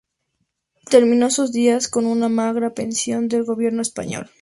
Terminó sus días con una magra pensión del gobierno español.